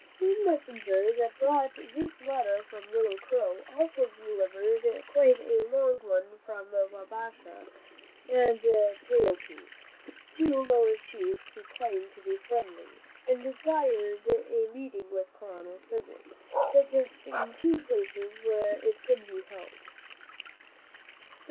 The same messenger that brought this letter from Little Crow also delivered, quite a long one from Wabasha and Taopee, two lower chiefs who claimed to be friendly, and desired a meeting with Colonel Sibley, suggesting two places where it could be held.